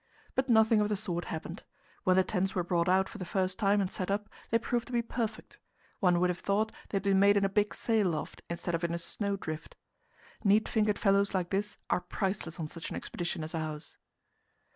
But nothing of the sort happened. When the tents were brought out for the first time and set up, they proved to be perfect. One would have thought they had been made in a big sail loft instead of in a snow drift. Neat fingered fellows like this are priceless on such an expedition as ours.